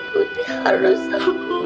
putri harus sembuh